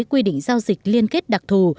quy định giao dịch liên kết đặc thù